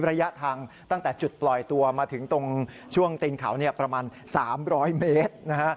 ระยะทางตั้งแต่จุดปล่อยตัวมาถึงตรงช่วงตีนเขาประมาณ๓๐๐เมตรนะฮะ